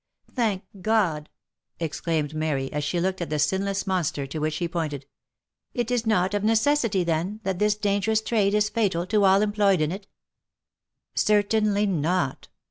" Thank God I" exclaimed Mary, as she looked at the sinless monster to which he pointed. " It is not of necessity then, that this dangerous trade is fatal to all employed in it." " Certainly not.